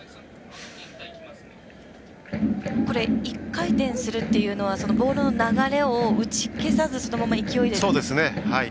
１回転するっていうのはボールの流れを打ち消さずそのまま勢いで。